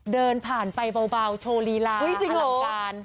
เดินผ่านไปเบาโชว์ลีลาจริงอลังการ